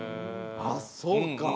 あっそうか。